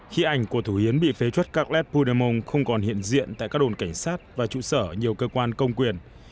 khi ảnh của thủ yến bị phế chuất các lét pudemong không còn hiện diện tại các đồn cảnh sát và trụ sở nhiều cơ quan công quyền